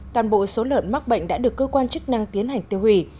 toàn bộ số lợn mắc bệnh đã được cơ quan chức năng tiến hành tiêu hủy